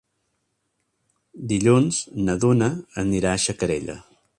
Dilluns na Duna anirà a Xacarella.